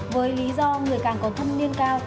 với lý do người càng có thâm niên cao